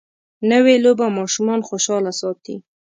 نوې لوبه ماشومان خوشحاله ساتي